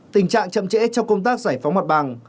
tình trạng chậm trễ trong công tác giải phóng mặt bằng